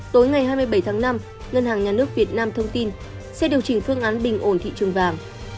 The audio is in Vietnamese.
tối ngày hai mươi bảy tháng năm ngân hàng nhà nước việt nam thông tin sẽ điều chỉnh phương án bình ổn thị trường vàng